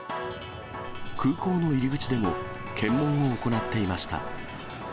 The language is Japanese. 空港の入り口でも、検問を行っていました。